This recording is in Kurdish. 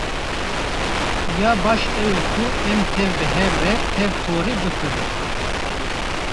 Ya baş ew e ku em tev bi hev re tev torê bifirin.